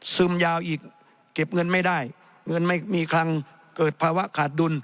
ยาวอีกเก็บเงินไม่ได้เงินไม่มีคลังเกิดภาวะขาดดุล